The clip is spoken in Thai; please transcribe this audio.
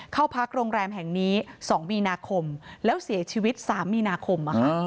เข้าพักโรงแรมแห่งนี้๒มีนาคมแล้วเสียชีวิต๓มีนาคม